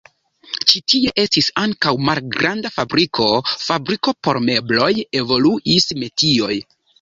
Ĉi tie estis ankaŭ malgranda fabriko, fabriko por mebloj, evoluis metioj.